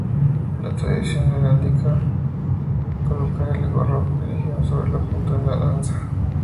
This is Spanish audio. La tradición heráldica suele colocar el gorro frigio sobre la punta de una lanza.